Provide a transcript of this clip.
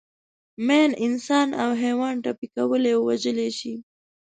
ماین انسان او حیوان ټپي کولای او وژلای شي.